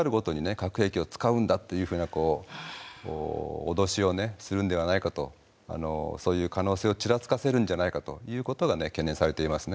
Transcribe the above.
核兵器を使うんだっていうふうな脅しをねするんではないかとそういう可能性をちらつかせるんじゃないかということがね懸念されていますね。